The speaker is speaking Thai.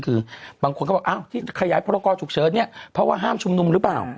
คือบางคนก็บอกที่จะขยายพอรกอฉุกเฉินเพราะว่าห้ามชุมนุมหรือเปล่า